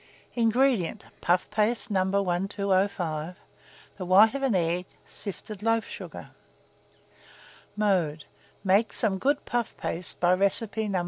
INGREDIENTS. Puff paste No. 1205, the white of an egg, sifted loaf sugar. Mode. Make some good puff paste by recipe No.